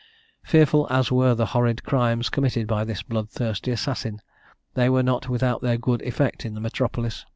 Fearful as were the horrid crimes committed by this blood thirsty assassin, they were not without their good effect in the metropolis.